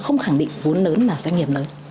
không khẳng định vốn lớn là doanh nghiệp lớn